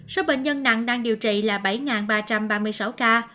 số bệnh nhân nặng đang điều trị là bảy ba trăm ba mươi sáu ca